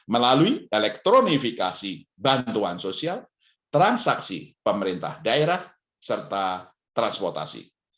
melalui elektronifikasi bantuan sosial transaksi pemerintah daerah serta transportasi